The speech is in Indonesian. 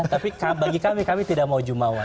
tapi bagi kami kami tidak mau jumawa